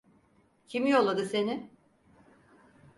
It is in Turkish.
Kim yolladı seni?